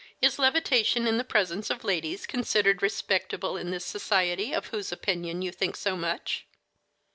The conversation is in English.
Is levitation in the presence of ladies considered respectable in this society of whose opinion you think so much?"